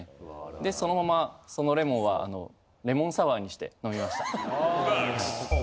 でそのままそのレモンはあのレモンサワーにして飲みました。